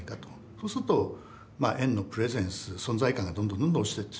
そうすると円のプレゼンス存在感がどんどんどんどん落ちてってしまう。